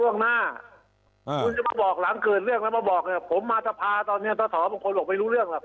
คุณจะมาบอกหลังเกิดเรื่องแล้วมาบอกเนี่ยผมมาจะพาตอนเนี่ยทศบางคนลงไปรู้เรื่องล่ะ